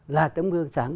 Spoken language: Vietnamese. là tấm gương sáng